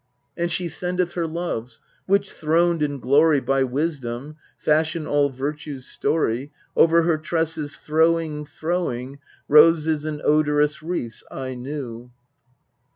270 EUR I TIDES And she scndcth her Loves which, throned in glory By Wisdom, fashion all virtue's story, Over her tresses throwing, throwing, Roses in odorous wreaths aye new.